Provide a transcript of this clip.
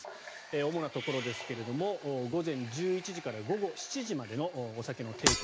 主なところですが午前１１時から午後７時までのお酒の提供。